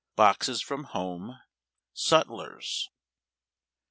— BOXES FROM HOME. — SUTLERS.